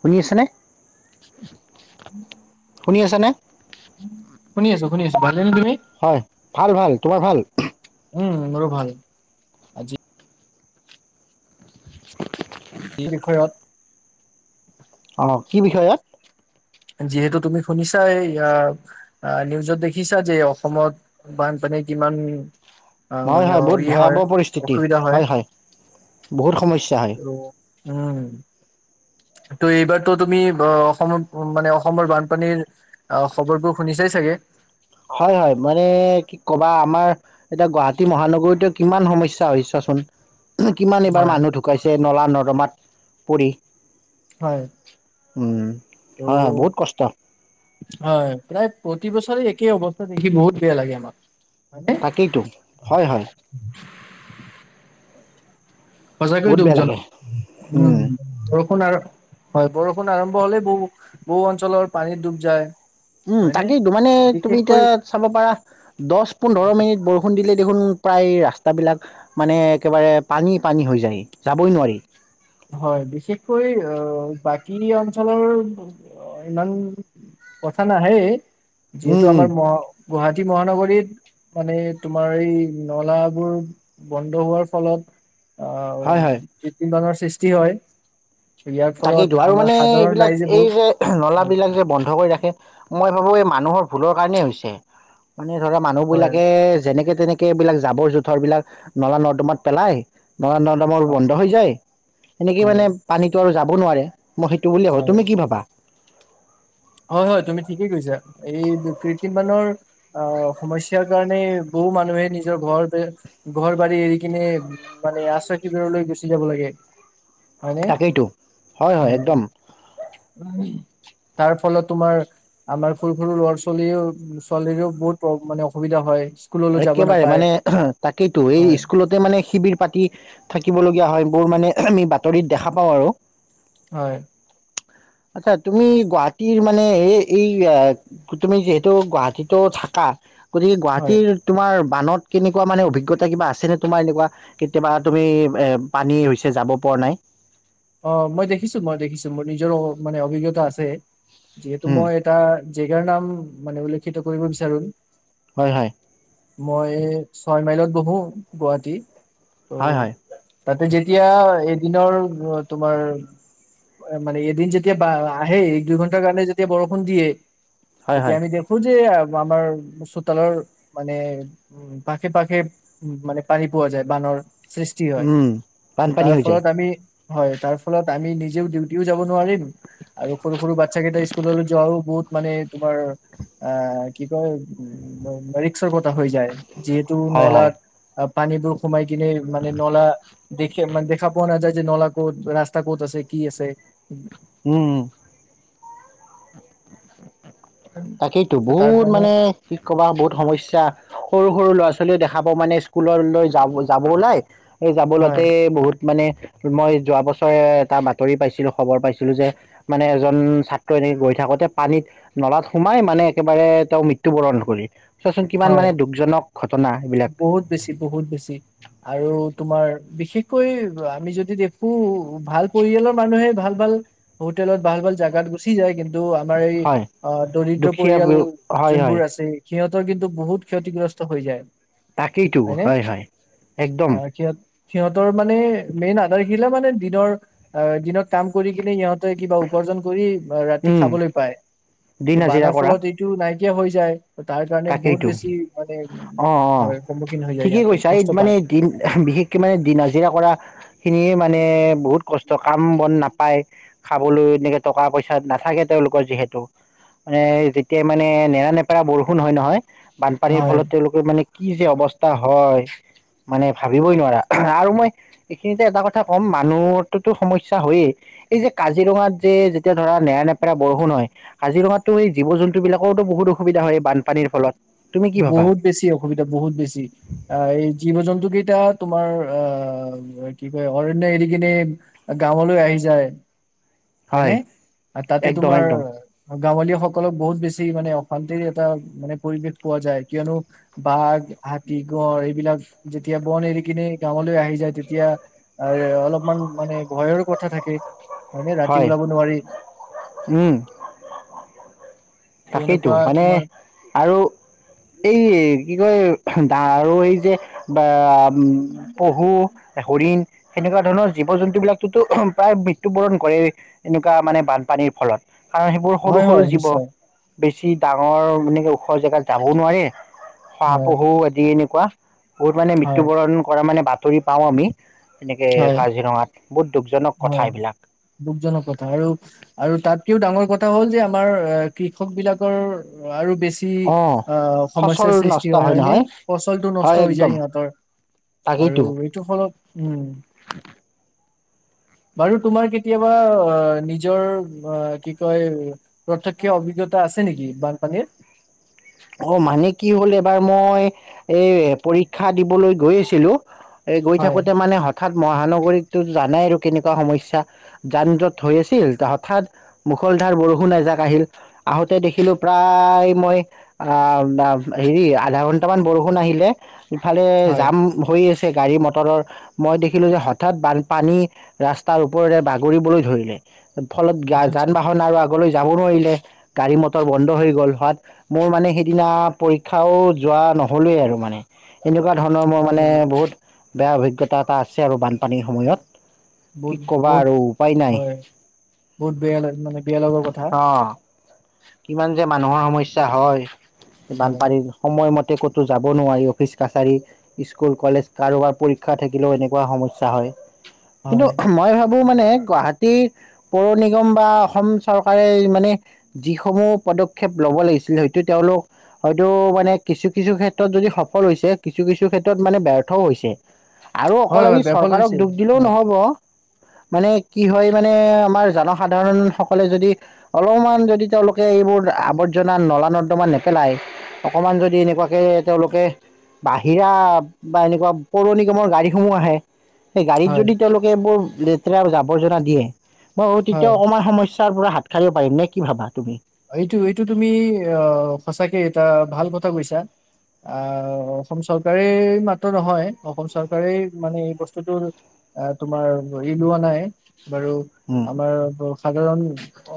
শুনি আছেনে। শুনি আছে নে। শুনিছো, শুনিছো। হয় ভাল ভাল। তোমাৰ ভাল। উম মোৰো ভাল আজি। এই বিষয়ত। অ কি বিষয়য়াত? যিহেতু তুমি শুনিছা নিউজত দেখিছা যে অসমত বানপানী কিমান। আহ, হয় মানে হয় অ, বহুত ই হয় ভয়াৱহ পৰিস্থিতি অসুবিধা হয় হয় বহুত সমস্যা হয়। ত' উম ত' এইবাৰতো তুমি অসমৰ মানে অসমৰ বানপানীৰ খবৰবোৰ শুনিছাই চাগে। হয় হয় মানে কি ক'বা আমাৰ এতিয়া গুৱাহাটী মহানগৰীতে কিমান সমস্যাছচোন। কিমান এবাৰ হয় মানুহ ঢুকাইছে নলা নল। ৰমাত পৰি। হয় উম, ত হয় হয় বহুত কষ্ট হয় প্ৰায়। প্ৰতি বছৰে একেই অৱস্থাত দেখি বহুত বেয়া লাগে আমাক। হয়নে তাকেইতো হয়, হয়। সচাকৈয় বহুত বেয়া লাগে দুখজনক উ। উম। বৰষুণ হয় বৰষুণ আৰম্ভ হলেই বহ বহু অঞ্চলৰ পানীত ডুব যায়। উম হয়নে? তাকেইো মানে তুমি এতিয়া বিশেষকৈ চাব পাৰা দহ পোন্ধৰ মিনিট বৰষুণ দিলে। দেখোন প্ৰায় ৰাস্তাবিলাক মানে একেবাৰে পানী পানী হৈ যায়। যাবই নোৱাৰি হয় বিশেষকৈ অহ বাকী অঞ্চলৰ ইমান কথা নাহে। উম যিহেতু উম আমাৰ মহ গুৱাহাটী। কঠি মহানগৰীত মানে তোমাৰ এই নলাবোৰ বন্ধ হোৱাৰ ফলত। আও হয় হয়। ক্ৰিটিমবাম চিষ্টি হয়। হয়। তাকেই টো আৰু আমাৰ মানে সাধাৰণ এইবিলাক ৰাইজে এই বহুত যে নলা হয় বিলাক যে বন্ধ কৰি ৰাখে মই ভাবো এই। মানুহৰ ভুলৰ কাৰণ হৈছে। মানে ধৰা হয় মানুহবিলাকে যেনেকে তেনেকে এইবলাক জাবৰ জোথৰ বিলাক নলা নৰ্দমাত পেলাই ন নদামৰ হয় বন্ধ হৈ যায় এনেকে হয় মানে পানী যাব নোৱাৰে মই সেইটো বুলিয় ভাবো হয় তুমি কি ভাবা হয় হয় তুমি ঠিকেই কৈছা এই কৃত্ৰিমৰ আহ সমস্যাৰ কাৰণে বহু মানুহে নিজৰ ঘৰ ঘৰ বাৰী এৰি কিনে মানে আশ্ৰয় শিবিৰলৈ গুচি যাব লাগে হয়নে তাকেইতটো হয় হয় উম একদম তাৰ ফলত তোমাৰ আমাৰ সৰু সৰু ল'ৰা ছোৱালীও ছোৱালীৰেও বহুত মানে অসুবিধা হয় স্কুললৈ যাব একেবাৰে নাপায় মানে তাকেইতো এই হয় স্কুলতে মানে শিবিৰ পাতি থাকিব লগীয়া হয় বোৰ মানে আমি বাতৰিত দেখা পাওঁ আৰু হয় আচ্ছা, তুমি গুৱাহাটীৰ মানে এ এই, তুমি যিহেতু গুৱাহাটীতো থাকা, গতিকে হয় তিৰ তোমাৰ বানত কেনেকুৱা মানে, অভিজ্ঞতা কিবা আছেনে তোমাৰ এনেকুৱা, কেতিয়াবা তুমি এ পানী হৈছে যাব পৰা নাই? অ মই দেখিছো, মই দেখিছো মোৰ নিজৰো মানে অভিজ্ঞতা আছে। যিহেটো উম মই এটা জেগাৰ নাম মানে উল্লেখিত কৰিব বিচাৰো। হয়, হয়। মই ছয় মাইলত বহো, গুৱাহাটী। হয় ত' হয় তাতে যে তিয়া এদিনৰ গুৱ তোমাৰ মানে এদিন যেতিয়া বা আহে দুইঘন্টাৰ কাৰণে যেতিয়া বৰষুণ দিয়ে হয় তেতিয়া হয় আমি দেখো যে আ আমাৰ চোতালৰ মানে, উ পাশে পাশে উ মানে পানী পোৱা যায়, বানৰ। সৃষ্টি হয়, উম বানপানী তাৰ হৈ যায় ফলত আমি হয়, তাৰ ফলত আমি নিজেও ডিউটিও যাব নোৱাৰিম, আৰু সৰু সৰু বাচ্ছা কেইটা স্কুললৈ যোৱাও বহুত মানে তোমাৰ আহ কি কয় উ ৰিক্সৰ কথা হৈ যায়। যিহেটো হয় হয় নলাত আপ পানী বোৰ সোমাই কিনে মানে নলা দেখে, মানে দেখা পোৱাও নাযায় যে নলাত ক'ত, ৰাস্তা ক'ত আছে, কি আছে। উম, উম। তাকেইতো, ত তাৰ বহুত কাৰণে মানে কি কবা বহুত সমস্যা। সৰু-সৰু ল'ৰা ছোৱালীয়ে দেখা পা মানে স্কুললৈ যাব যাব ওলাই এই হয় যাবলতেই বহুত মানে মই যোৱা বছৰে এটা বাতৰি পাইছিলোঁ, খবৰ পাইছিলোঁ যে, মানে এজন ছাত্ৰ এনেক গৈ থাকোঁতে পানীত, নলাত সোমাই মানে একেবাৰে তেওঁ মৃত্যু বৰণ কৰি। চোৱাচোন কিমান হয় মানে দুখজনক ঘটনা এইবিলাক। বহুত বেছি বহুত বেছি আৰু তোমাৰ বিশেষকৈ আমি যদি দেখো ভাল পৰিয়ালৰ মানুহে ভাল ভাল হোটেলত ভাল ভাল জাগাত গুচি যায়, কিন তো আমাৰ এই হয় অ, দৰিদ্ৰ দুখীয়া পৰিয়াল হয় হয় যোনবোৰ আছে, সিহঁত তৰ কিন্তু বহুত ক্ষতিগ্ৰস্ত হৈ যায়। তাকেইতো হয়নে হয়, হয়, একদম। আহ সিহঁত সিহঁতৰ মানে মেইন আধাৰশিলা মানে দিনৰ অ দিনত কাম কৰি কিনে সিহঁতে কিবা উপাৰ্জন কৰি আ ৰাতি উম খাবলৈ পায়, দিন ত' বানৰ ফলত এইটো নাই কিয়া হৈ যায়। তাৰ কাৰণে বহুত তাকেইতটো, বেছি মানে উম, অ-অ, হয় সন্মুখীন হৈ যায় ঠিকেই ইয়াতে কৈছা এই কষ্ট মানে পায় দিন বিশেষকে মানে দিন হাজিৰা কৰা খিনিয়ে মানে বহুত কষ্ট, কাম বন নাপায় খাবলৈ এনেকে টকা পইচা নাথাকে তেওঁওলোকৰ যিহেতু, মানে যেতিয়াাই মানে নেৰানেপেৰা বৰষু ষুণ হয় নহয়। বানপানীৰ হয় ফলত তেওঁলোকে মানে কি যে অৱস্থা হয় মানে ভাবিবই নোৱাৰা আৰু মই এইখিনিতে এটা কথা ক'ম মানুহতো সমস্যা হয়য়ে এই যে কাজিৰঙাত যে যেতিয়া ধৰা নেৰা নেপেৰা বৰষুণ হয় কাজিৰঙাত তো এই জী জন্তু বিলাকৰতো বহুত অসুবিধা হয়। বানপানীৰ ফলত তুমি কি ভাবা বহুত বেছি অসুবিধা বহুত বেছি আহ এই জীৱ জন্তু কেইটা তোমাৰ আহ কি কয় অৰন্য এৰি কিনে গাঁৱলৈ আহি যায়। হয় নে আৰু তাতে একদম তোমাৰ একদম গাঁৱলীয়া সকলক বহুত বেছি মানে অশান্তিৰ এটা মানে পৰিৱেশ পোৱা যায় কিয়নো বাঘ হাতী গঁড় এইবিলাক যেতিয়া বন এৰি কিনে গাঁৱলৈ আহি যায় তেতিয়া এ অলপমান মানে ভয়ৰ কথা থাকে। হয়নে ৰাতি হয় ওলাব নোৱাৰি। উম ত তাকেইতো এনেকুৱা মানে তোমাৰ আৰু এই কি কয় আৰু এই যে পহু হৰিণ। সেনেকুৱা ধৰণৰ জীৱ জন্তু বিলাকতোতো প্ৰায় মৃত্যু বৰণ কৰে এনেকুৱা মানে বানপানীৰ ফলত। আৰু সেইবোৰ সৰু হয় সৰু হয় জীৱ। নিশ্চয় বেছি ডাঙৰ মানেকে ওখ জেগাত যাবও নোৱাৰে। হয় শহাপহু আদি এনেকুৱা। বহুত মানে হয় মৃত্যুবৰণ কৰে মানে বাট তৰি পাওঁ আমি, এনেকে হয় কাজিৰঙাত বহুত দুখজনক কথা হয় এইবিলাক দুখজনক কথা আৰু আৰু তাতকেও ডাঙৰ কথা এটা হ'ল যে আমাৰ কৃষক বিলাকৰ আৰু বেছি। বেছি অ সমস্যাৰ ফচল সৃষ্টি নষ্ট হয় হয় নে নহয় ফচলটো হয় নষ্ট হৈ একদম যায় ইহঁতৰ আৰু তাকেইতো এইটো ফলত উম। বাৰু তোমাৰ কেতিয়াবা, আহ নিজৰ আহ কি কয় প্ৰতক্ষ অভিজ্ঞতা আছে নেকি বানপানীৰ? অ মানে কি হ'ল, এবাৰ মই এই পৰীক্ষা দিবলৈ গৈ আছিলো। এই গৈ হয় থাকোতে মানে হঠাৎ। হঠাৎ মহানগৰীততো জানাই আৰু কেনেকুৱা সমস্যা, যান জঁট হৈ আছিল হঠাৎ মুখলধাৰ বৰষুণ এজাক আহিল, আহোঁতে দেখিলো প্ৰায় মই। অ দা হেৰি আধা ঘন্টামান বৰষুণ আহিলে। ইফালে হয় জাম হৈ আছে। গাড়ী মটৰৰ মই দেখিলো যে হঠাৎ বাল পানী ৰাস্তাৰ ওপৰেৰে বাগৰিবলৈ ধৰিলে। ফলত গা আচ্ছা যান আচ্ছা বাহন আৰু। আগলৈ যাব নোৱাৰিলে, গাড়ী মটৰ বন্ধ হৈ গ'ল হোৱাত মোৰ মানে। সেইদিনা পৰীক্ষাও যোৱা নহলেই আৰু মানে। এনেকুৱা ধৰণৰ মোৰ হয় মানে নেকি বহুত। বেয়া অভিজ্ঞতা এটা আছে আৰু বান। বহুত বহুত আৰু উপায় নাই হয়, বহুত বেয়া লা, বেয়া লগা কথা। অ কিমান যে মানুহৰ সমস্যা হয়। হয় বানপানীৰ সময়মত। ক'তো যাব নোৱাৰি অফিচ-কাছাৰী, স্কুল- কলেজ কাৰোবাৰ পৰীক্ষা থাকিলেও এনেকুৱা সমস্যা হয়। কিন্তু হয় মই ভাবোঁ মানে। গুৱাহাটী পৌৰ নিগম বা অসম চৰকাৰে মানে, যিসমূহ পদক্ষেপ ল'ব লাগিছিলে, হয়তো তেওঁলোক। হয়তো মানে কিছু-কিছু ক্ষেত্ৰত যদি সফল হৈছে, কিছু-কিছু ক্ষেত্ৰত মানে ব্যৰ্থও হৈছে। আৰু হয় অকল হয় আমি ব্যাফল চৰকাৰক হৈছে দুখ দিলো হয় নহ'ব। মানে কি হয় মানে, আমাৰ জনসাধাৰণ সকলে যদি, অলমান যদি তেওঁলোকে এইবোৰ আৱৰ্জনা নলা- নৰ্দমা নে। পেলায়, অকণমান যদি এনেকুৱাকে তেওঁলোকে, বাহিৰা বা এনেকুৱা পৌৰ-নিগমৰ গাড়ীসমূহ আহে। সেই গাড়ীত হয় যদি, তেওঁলোকে এইবোৰ। লেতেৰা জাৱৰজনা দিয়ে। [inaudible] তেতিয়াও হয় অকণমান সমস্যা। তাৰ পৰা হাত সাঁৰিব পাৰি নে, কি ভাবা তুমি? এইটো এইটো তুমি আহ সঁচাকে, এটা ভাল কথা কৈছা। আহ অসম চৰকাৰেই মাত্ৰ নহয়, অসম চৰকাৰেই মানে এই বস্তুটো তোমাৰ ধৰি লোৱা নাই। বাৰু, উম, আমাৰ সাধাৰণ অ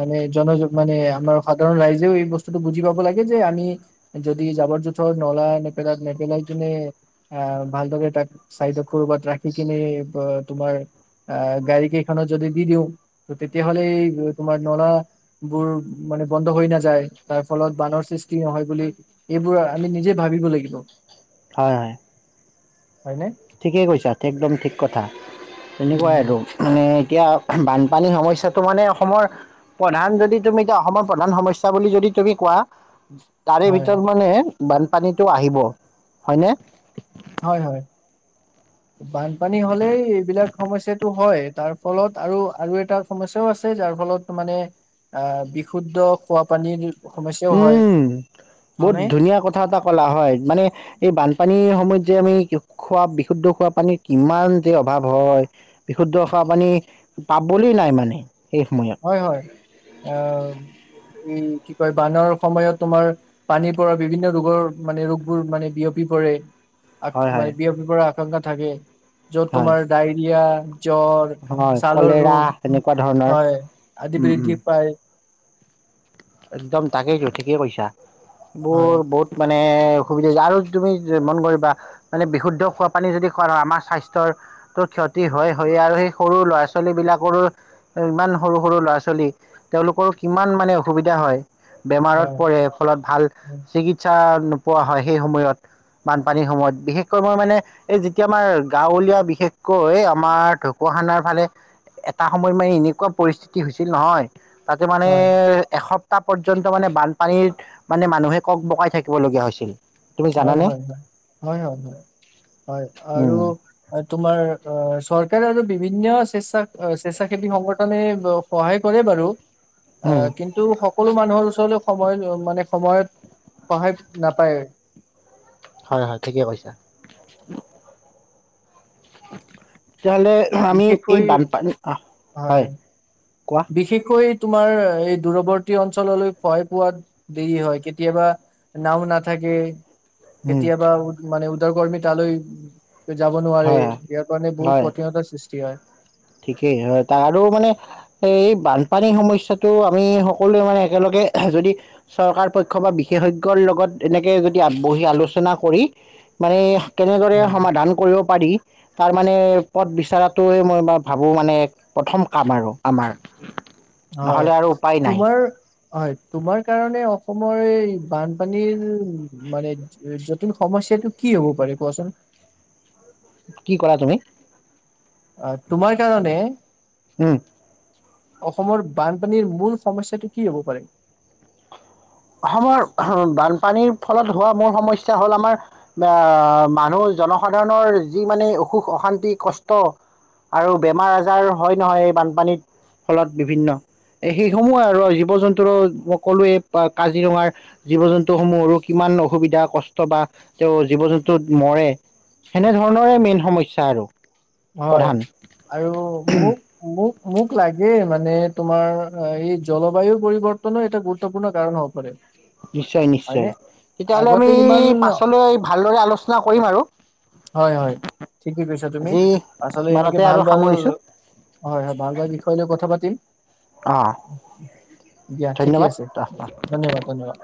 মানে। জন-যোগ। মানে আমাৰ সাধাৰণ ৰাইজেও এই বস্তুটো বুজি পাব লাগে যে, আমি যদি জাবৰ-জোথৰ নলা নেপেলাত নেপেলাই কিনে- আহ ভালদৰে তাক চাইড কৰবাত ৰাখি কিনে, অঁ তোমাৰ আহ গাড়ী কেইখনত যদি দি দিওঁ, তেতিয়াহলে এই তোমাৰ নলা। বোৰ মানে বন্ধ হৈ নাযায়, তাৰ ফলত বানৰ সৃষ্টি নহয় বুলি এইবোৰ আমি নিজে ভাবিব লাগিব। হয় হয়। হয়নে? ঠিকেই কৈছা, একদম ঠিক কথা। [unintelligible] তেনেকুৱাই উম। আৰু [inaudible] মানে। এতিয়া বানপানীৰ সমস্যাটো মানে অসমৰ প্ৰধান যদি, তুমি এতিয়া অসমৰ প্ৰধান সমস্যা বুলি যদি তুমি কোৱা। তাৰে হয়, ভিতৰত মানে। বানপানীটো আহিব হয়নে? হয়, হয়। বানপানী হ'লেই এইবিলাক সমস্যাটো হয় তাৰ, ফলত আৰু আৰু এটা সমস্যাও আছে। যাৰ ফলত মানে বিশুদ্ধ খোৱাপানীৰ। উমঁ বহুত ধুনীয়া কথা এটা ক'লা হয়, মানে এই বানপানী স ময়ত যে আমি খোৱা বিশুদ্ধ খোৱা পানীৰ কিমান যে অভাৱ হয়, বিশুদ্ধ খোৱা পানী পাবলৈ নাই মানে। সেই সময়ত। হয় হয়। আহ এই কি কয়, বানৰ সময়ত তোমাৰ পানীৰ পৰা বিভিন্ন ৰোগৰ মানে, ৰোগবোৰ মানে বিয়পি পৰে। আক হয় হয়। মাযবিয় ৰ পৰা। শংকা থাকে। য'ত হয় তোমাৰ ডায়েৰিয়া, জ্বৰ হয় ছালৰ কলেৰা, ৰোগ তেনেকুৱা ধৰণৰ। হয় আদি উম উম। বৃদ্ধি পায়। একদম তাকেই টো ঠিকেই কইছা হয়, বোৰ বহুত মানে মানে অসুবিধা আৰু তাৰে তুমি ই মন কৰিবা মানে বিশুদ্ধ খোৱাপানী যদি খোৱা হয় আমাৰ স্বাস্থ্যৰ ক্ষতি হয়, হয়েই সৰু ল'ৰা ছোৱালী বিলাকতো ইমান সৰু সৰু ল'ৰা ছোৱালী তেওঁলোকো ইমান মানে সুবিধা হয়। বেমাৰত হয়। পৰে ফলত ভাল হয়, চিকিৎসা নোপোৱা হয় সেই সময়ত বানপানীৰ সময়ত বিশেষকৈ মই নোপোৱা হয় সেইসময়ত বানপানী সময়ত বিশেষকৈ মই মানে এই যেতিয়া আমাৰ গাঁৱলীয়া বিশেষকৈ আমাৰ ঢকুৱাখানাৰ ফালে এটা সময়ত মানে এনেকুৱা পৰিস্থিতি হৈছিল নহয়। তাকে মানে হয়, এসপ্তাহ পৰ্যন্ত মানে বানপানীৰত মানে মানুহে কক-বকাই থাকিবলগীয়া হৈছিল। তুমি হয় জানানে হয় হয় হয় হয় আৰু উম তোমাৰ চত চৰকাৰে আৰু বিভিন্ন স্বেচ্ছা স্বেচ্ছাসেৱী সংগঠনে সহায় কৰে বাৰু। অ উম কিন্তু সকলো মানুহৰ ওচৰটো সময় মানে সময়ত সহায় নাপায়। হয় হয় ঠিকে কৈছা। [inaudible] তেতিয়াহ'লে আমি এই বিশেষকৈ বানপানী হয়। কোৱা বিশেষকৈ তোমাৰ এই দূৰৱৰ্তী অঞ্চললৈ খাই পোৱাত দেৰি হয় কেতিয়াবা নাও নাথাকে। উম কেতিয়াবা মানে উদ্যকৰ্মী তালৈ যাব নোৱাৰে হয় হয় ইয়াৰ কাৰণে হয় বহুত কঠিনতাৰ সৃষ্টি হয়। ঠিকেই হয় তাক আৰু মানে এই বানপানীৰ সমস্যটো আমি সকলোৱে মানে একেলগে যদি চৰকাৰ পক্ষ বা বিশেষজ্ঞৰ লগত এনেকে যদি বহি আলোচনা কৰি মানে কেনেদৰে হয়। সমাধান কৰিব পাৰি। তাৰ মানে পদ বিচৰাটোয়ে মই ভাবোঁ মানে প্ৰথম কাম আৰু আমাৰ। হয় নহ'লে আৰু উপায় নাই তোমাৰ হয় তোমাৰ কাৰণে অসমৰ এই বানপানীৰ মানে জটিন সমস্যাটো কি হ'ব পাৰে কোৱাচোন? কি কৰা তুমি? অ তোমাৰ কাৰণে - উম। অসমৰ বানপানীৰ মূল সমস্যাটো কি হব পাৰে? অসমৰ বানপানীৰ ফলত হোৱা মূল সমস্যা হ'ল আমাৰ মানুহ জনসাধাৰণৰ যি মানে অসুখ অশান্তি কষ্ট আৰু বেমাৰ আজাৰ হয় নহয় এই বানপানীৰত ফলত বিভিন্ন এই সেইসমূহে আৰু জীৱ জন্তুৰো সকলোৱে বা কাজিৰঙাৰ জীৱ জন্তুসমূহৰো কিমান অসুবিধা কষ্ট বা তেওঁ জীৱ জন্তু মৰে সেনেধৰণৰে মেইন সমস্যা আৰু হয় প্ৰধান আৰু মোক মোক মোক লাগে মানে মানে তোমাৰ এই জলবায়ু পৰিৱৰ্তনো এটা গুৰুত্বপূৰ্ণ কাৰণ হ'ব পাৰে। নিশ্চয় নিশ্চয়, হয়নে তেতিয়াাহ'লে আমি আগতে ইমান পাছলৈ ভালদৰে আলোচনা কৰিম আৰু আচলতে এনেকে ইমানতে আৰু ভাল ভাল সামৰিছোঁ হয়, ভাল ভাল বিষয় লৈ কথা অঁ [unintelligible] দিয়া ঠিকে আছে, ধন্যবাদ ধন্যবাদ ধন্যবাদ।